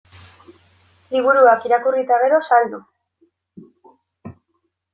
Liburuak irakurri eta gero, saldu.